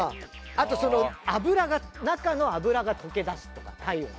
あとその油が中の油が溶け出すとか体温で。